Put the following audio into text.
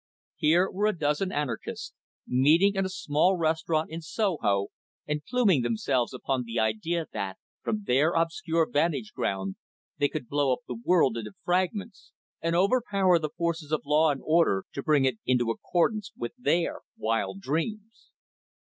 Here were a dozen anarchists, meeting in a small restaurant in Soho, and pluming themselves upon the idea that, from their obscure vantage ground, they could blow up the world into fragments and overpower the forces of law and order, to bring it into accordance with their wild dreams.